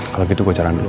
kalau gitu gue caran dulu